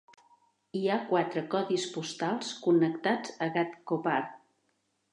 Hi ha quatre codis postals connectats a Ghatkopar.